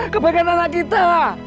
kebaikan anak kita